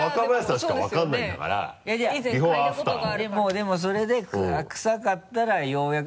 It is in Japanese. でもそれでクサかったらようやく。